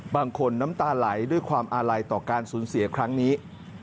น้ำตาไหลด้วยความอาลัยต่อการสูญเสียครั้งนี้